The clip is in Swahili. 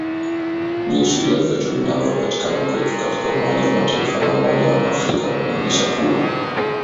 Viashiria vyote vinavyopatikana kwetu katika umoja wa Mataifa na umoja wa Afrika vinaonyesha kuwa